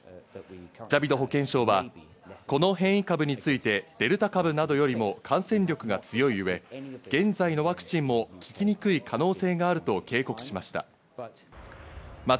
ジャビド保健相は、この変異株について、デルタ株などよりも感染力が強い上、現在のワクチンも効きにくい可能性があると警告しました。